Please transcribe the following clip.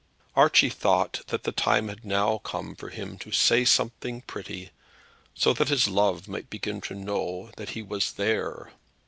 Archie thought that the time had now come for him to say something pretty, so that his love might begin to know that he was there.